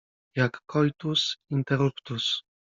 Jak coitus interruptus.